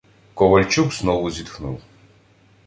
Ковальчук знову зітхнув.